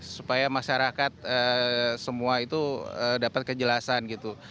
supaya masyarakat semua itu dapat kejelasan gitu